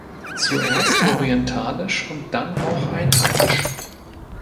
Zuerst orientalisch und dann auch einheimisch.